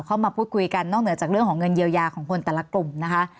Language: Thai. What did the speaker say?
เข้ามาพูดคุยกันนอกเหนือจากเรื่องของเงินเยียวยาของคนแต่ละกลุ่มนะคะ